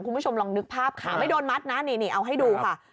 คุณผู้ชมลองนึกภาพขาไม่โดนมัดนะนี่เอาให้ดูค่ะ